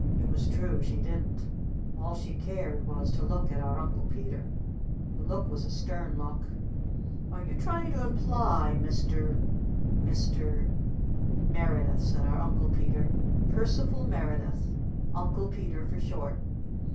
It was true. She didn't. All she cared was to look at our Uncle Peter. The look was a stern look. "And are you trying to imply, Mr. Mr. ?" "Merredith," said our Uncle Peter. "Percival Merredith. 'Uncle Peter' for short."